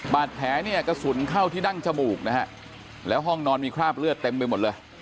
บาดแผลเนี่ยกระสุนเข้าที่ดั้งจมูกนะฮะแล้วห้องนอนมีคราบเลือดเต็มไปหมดเลย